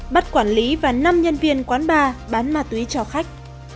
bắt quản lý và năm nhân viên quán bar bán ma túy cho khách